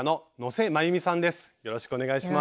よろしくお願いします。